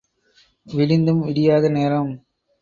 விடிந்தும் விடியாத நேரம்.